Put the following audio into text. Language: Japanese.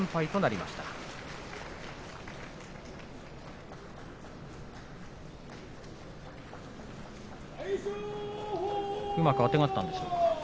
うまくあてがったんでしょうか。